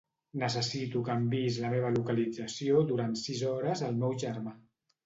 Necessito que enviïs la meva localització durant sis hores al meu germà.